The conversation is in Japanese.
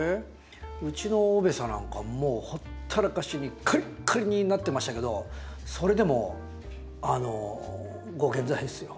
うちのオベサなんかもうほったらかしにカリッカリになってましたけどそれでもあのご健在ですよ。